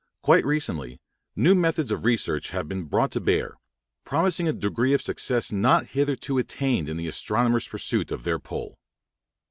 Quite recently new methods of research have been brought to bear, promising a degree of success not hitherto attained in the astronomers' pursuit of their pole.